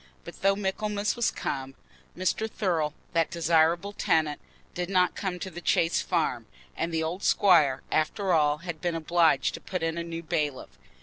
But though Michaelmas was come, Mr. Thurle, that desirable tenant, did not come to the Chase Farm, and the old squire, after all, had been obliged to put in a new bailiff.